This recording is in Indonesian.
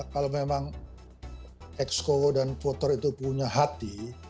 kalau memang exco dan voter itu punya hati